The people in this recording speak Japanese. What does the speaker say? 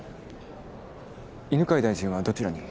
犬飼大臣はどちらに？